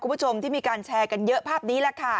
คุณผู้ชมที่มีการแชร์กันเยอะภาพนี้แหละค่ะ